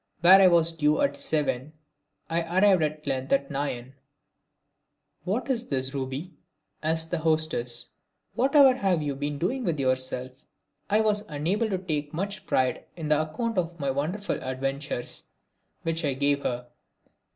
Where I was due at seven I arrived at length at nine. "What is this, Ruby?" asked my hostess. "Whatever have you been doing with yourself?" I was unable to take much pride in the account of my wonderful adventures which I gave her.